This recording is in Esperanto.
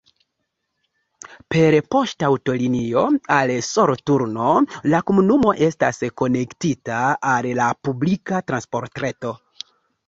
Per poŝtaŭtolinio al Soloturno la komunumo estas konektita al la publika transportreto.